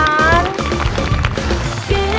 สวัสดีค่ะ